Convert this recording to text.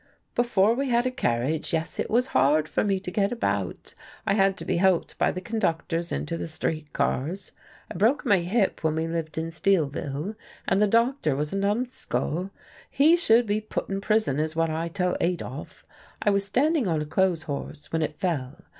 "Before we had a carriage, yes, it was hard for me to get about. I had to be helped by the conductors into the streetcars. I broke my hip when we lived in Steelville, and the doctor was a numbskull. He should be put in prison, is what I tell Adolf. I was standing on a clothes horse, when it fell.